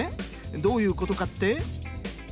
どういうことかって？